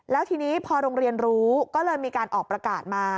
แล้วทีนี้พอโรงเรียนรู้ก็เลยมีการออกประกาศมา